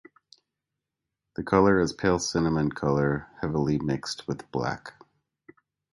The color is pale cinnamon color heavily mixed with black.